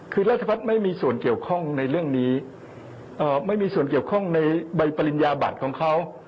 คือราชพัฒน์ไม่มีส่วนเกี่ยวข้องในเรื่องนี้ไม่มีส่วนเกี่ยวข้องในใบปริญญาบัตรของเขา